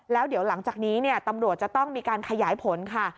แล้วเดี๋ยวหลังจากนี้ตำรวจจะต้องมีการขยายผลค่ะ